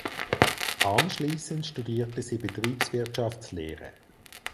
Anschließend studierte sie Betriebswirtschaftslehre.